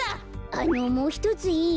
あのもうひとついい？